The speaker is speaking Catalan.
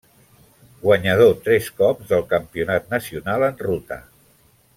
Guanyador tres cops del Campionat nacional en ruta.